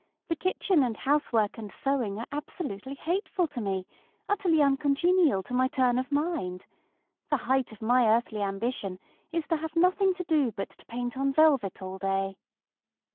The kitchen and housework and sewing are absolutely hateful to meŌĆöutterly uncongenial to my turn of mind. The height of my earthly ambition is to have nothing to do but to paint on velvet all day!